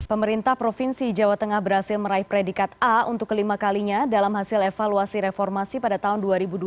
pemerintah provinsi jawa tengah berhasil meraih predikat a untuk kelima kalinya dalam hasil evaluasi reformasi pada tahun dua ribu dua puluh